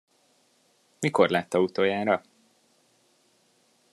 Mikor látta utoljára?